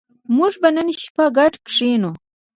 موږ به نن شپه ګډ کېنو